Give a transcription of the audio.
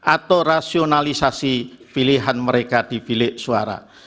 atau rasionalisasi pilihan mereka di bilik suara